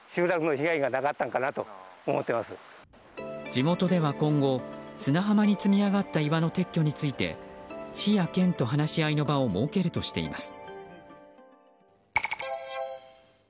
地元では今後砂浜に積み上がった岩の撤去について市や県と話し合いの場を設けるとしています。